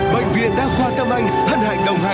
bệnh viện đa khoa tâm anh hân hạnh đồng hành cùng chương trình